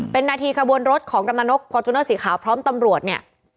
เป็นนาทีขบวนรถของกำลังนกฟอร์จูเนอร์สีขาวพร้อมตำรวจเนี่ย